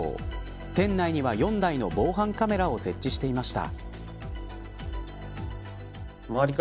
店内には４台の防犯カメラを設置していました。